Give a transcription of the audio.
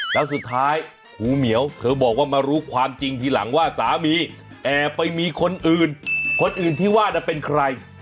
แล้วสุดท้ายหูเหมียวเธอบอกว่ามารู้ความจริงทีหลังว่าสามีแอบไปมีคนอื่นคนอื่นที่ว่าน่ะเป็นใคร